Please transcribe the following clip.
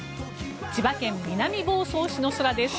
千葉県南房総市の空です。